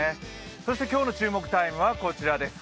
そして今日の注目「ＴＩＭＥ，」はこちらです。